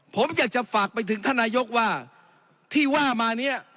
ผมอยากจะฝากไปถึงท่านนายกว่าที่ว่ามาเนี่ย